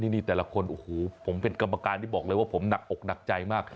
นี่แต่ละคนโอ้โหผมเป็นกรรมการนี่บอกเลยว่าผมหนักอกหนักใจมาก